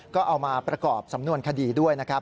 ก็เอามาประกอบสำนวนคดีด้วยนะครับ